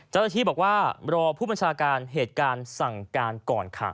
เจ้าหน้าที่บอกว่ารอผู้บัญชาการเหตุการณ์สั่งการก่อนค่ะ